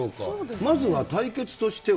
まずは対決としては？